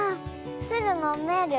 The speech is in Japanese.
すぐのめる？